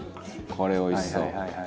これおいしそう。